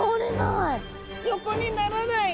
横にならない！